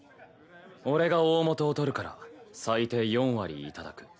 俺が大本を取るから最低４割頂く。